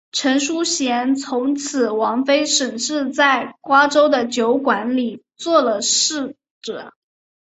陈叔贤从此王妃沈氏在瓜州的酒馆里做了侍者。